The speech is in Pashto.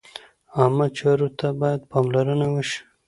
عامه چارو ته باید پاملرنه وشي.